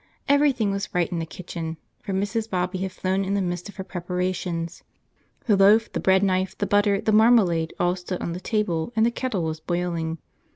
Everything was right in the kitchen, for Mrs. Bobby had flown in the midst of her preparations. The loaf, the bread knife, the butter, the marmalade, all stood on the table, and the kettle was boiling.